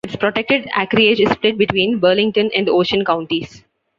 Its protected acreage is split between Burlington and Ocean Counties.